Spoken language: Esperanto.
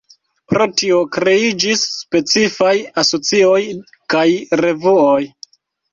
Pro tio, kreiĝis specifaj asocioj kaj revuoj.